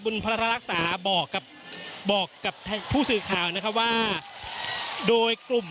พระราชรักษาบอกกับบอกกับผู้สื่อข่าวนะครับว่าโดยกลุ่ม